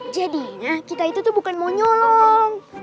jadi kita itu tuh bukan mau nyolong